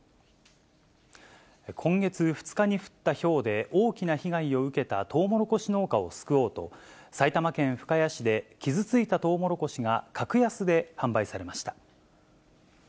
今月２日に降ったひょうで大きな被害を受けたトウモロコシ農家を救おうと、埼玉県深谷市で、傷ついたトウモロコシが、格安で販売されました。